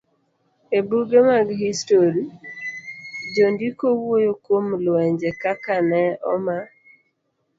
E buge mag histori, jondiko wuoyo kuom lwenje, kaka nene oma